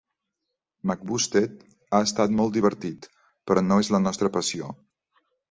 McBusted ha estat molt divertit, però no és la nostra passió.